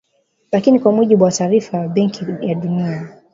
Lakini kwa mujibu wa taarifa ya Benki ya Dunia